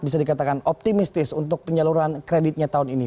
misalkan optimistis untuk penyaluran kreditnya tahun ini